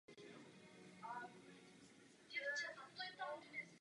Jejich cílem je ideologicky klamat pracující lidi, zejména mládež.